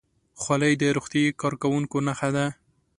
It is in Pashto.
خولۍ د روغتیايي کارکوونکو نښه ده.